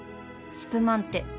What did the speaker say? スプマンテ